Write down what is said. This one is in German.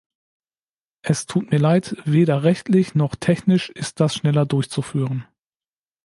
Es tut mir leid, weder rechtlich noch technisch ist das schneller durchzuführen.